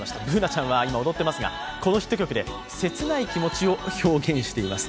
Ｂｏｏｎａちゃんは今、踊っていますが、このヒット曲で切ない気持ちを表現しています。